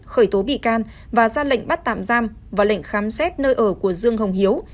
khởi tố bị can và ra lệnh bắt tạm giam và lệnh khám xét nơi ở của dương hồng hiếu